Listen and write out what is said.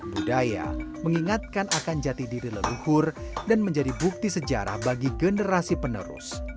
budaya mengingatkan akan jati diri leluhur dan menjadi bukti sejarah bagi generasi penerus